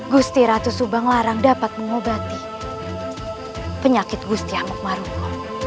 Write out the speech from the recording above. gusti ratu subang larang dapat mengobati penyakit gusti anak maroko